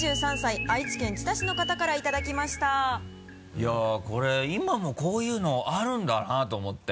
いやこれ今もこういうのあるんだなと思って。